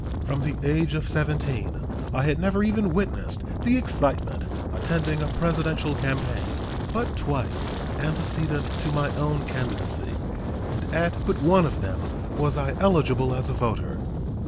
From the age of 17 I had never even witnessed the excitement attending a Presidential campaign but twice antecedent to my own candidacy, and at but one of them was I eligible as a voter.